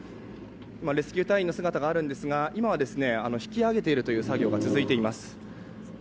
レスキュー隊員の姿がありますが今は引き上げているという作業が続いています。